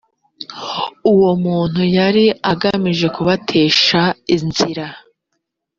uwo muntu yari agamije kubatesha inzira